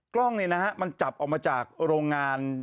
กล้องมันจับออกมาจากโรงงาน